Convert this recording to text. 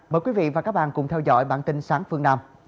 mời quý vị và các bạn cùng theo dõi bản tin sáng phương nam